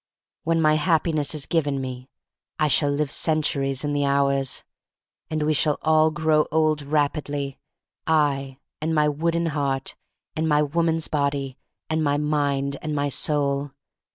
When my Happiness is given me I shall live centuries in the hours. And we shall all grow old rapidly, — I and 78 THE STORY OF MARY MAC LANE my wooden heart, and my woman's body, and my mind, and my soul.